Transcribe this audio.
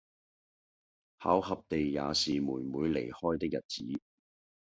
巧合地也是妹妹離開的日子，